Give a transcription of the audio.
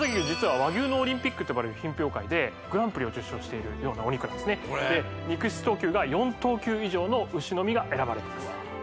実は「和牛のオリンピック」と呼ばれる品評会でグランプリを受賞しているようなお肉なんですねで肉質等級が４等級以上の牛のみが選ばれてます